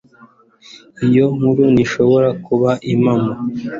iyo nkuru ntishobora kuba impamo